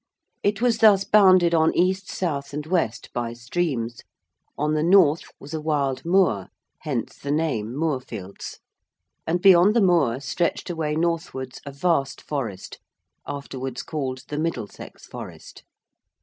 It was thus bounded on east, south, and west, by streams. On the north was a wild moor (hence the name Moorfields) and beyond the moor stretched away northwards a vast forest, afterwards called the Middlesex forest.